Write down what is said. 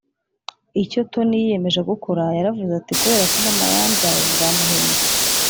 icyo Tony yiyemeje gukora Yaravuze ati kubera ko mama yambyaye nzamuhemba